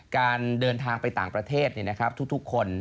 การเดินทางไปต่างประเทศทุกคน